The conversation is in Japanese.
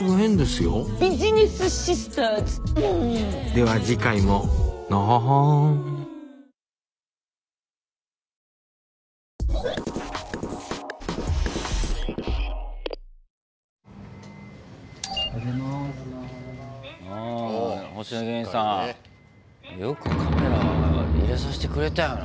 よくカメラ入れさせてくれたよな。